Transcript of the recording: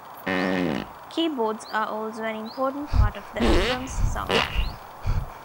Keyboards are also an important part of the album's sound.